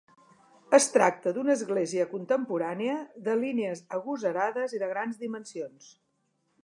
Es tracta d'una església contemporània, de línies agosarades i de grans dimensions.